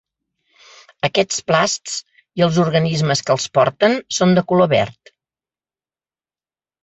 Aquests plasts, i els organismes que els porten, són de color verd.